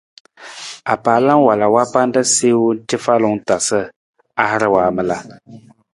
Apaala wala wa panda siiwung cafalung ta sa a har waamala.